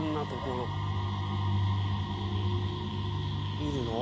「見るの？」